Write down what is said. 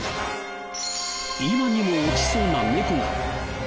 今にも落ちそうな猫が。